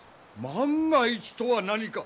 万が一とは何か？